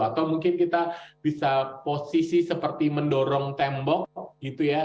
atau mungkin kita bisa posisi seperti mendorong tembok gitu ya